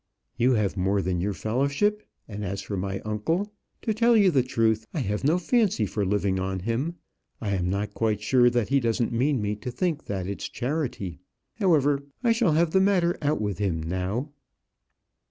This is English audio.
"You have more than your fellowship; and as for my uncle, to tell you the truth, I have no fancy for living on him. I am not quite sure that he doesn't mean me to think that it's charity. However, I shall have the matter out with him now."